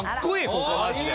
ここマジで。